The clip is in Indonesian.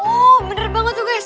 oh bener banget tuh guys